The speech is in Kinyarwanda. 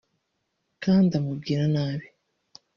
kandi amubwira nabi